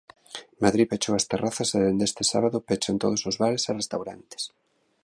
Madrid pechou as terrazas e dende este sábado pechan todos os bares e restaurantes.